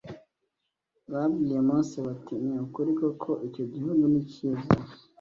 babwiye Mose bati ni ukuri koko icyo gihugu ni cyiza